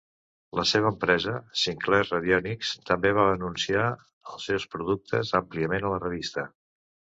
La seva empresa, Sinclair Radionics, també va anunciar els seus productes àmpliament a la revista.